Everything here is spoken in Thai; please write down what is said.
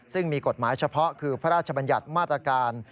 ซึ่งมีกฎหมายเฉพาะคือพระราชบัญญัติมาตรการ